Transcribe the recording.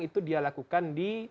itu dia lakukan di